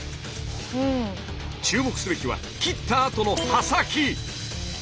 注目すべきは切ったあとの刃先！